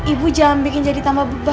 ibu jangan bikin jadi tambah beban